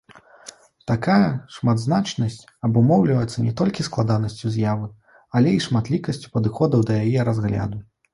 Такая шматзначнасць абумоўліваецца не толькі складанасцю з'явы, але і шматлікасцю падыходаў да яе разгляду.